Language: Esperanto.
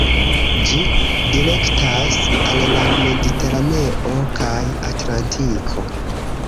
Ĝi direktas al la Mediteraneo kaj Atlantiko.